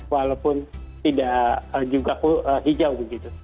walaupun tidak juga hijau begitu